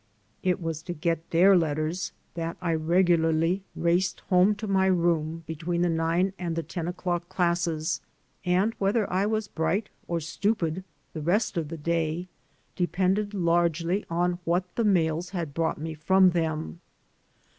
It was to get their letters that I 228 THE FRUITS OP SOLITUDE regularly raced home to my room between the nine and the ten o'clock classes, and whether I was bright or stupid the rest of the day depended largely on what the mails had brought me from them.